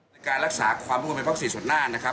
ในการรักษาความร่วมมือเป็นภาค๔ส่วนหน้านะครับ